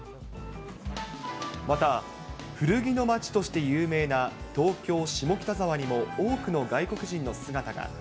また、古着の街として有名な東京・下北沢にも、多くの外国人の姿が。